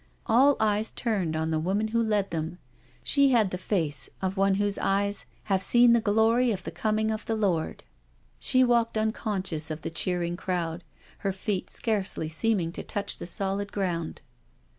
All eyes turned on the woman who led them« She had the face of one whose eyes " have seen the glory of the coming of the Lord.'^ She walked un conscious of the cheering crowd, her feet scarcely seem ing to touch the solid ground.